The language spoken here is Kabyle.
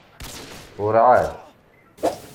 Ur ɛad.